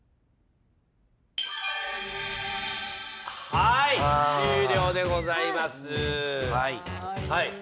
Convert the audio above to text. はい、終了でございます。